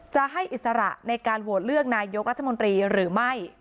จะให้อิสระในการโหวตเลือกนายกรัฐมนตรีหรือไม่